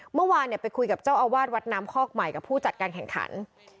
เมื่อวานไปคุยกับเจ้าอาวาสวัดน้ำคอกใหม่กับผู้จัดการแข่งขัน